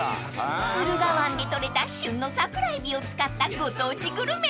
［駿河湾で取れた旬の桜えびを使ったご当地グルメ］